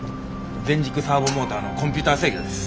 全軸サーボモーターのコンピューター制御です。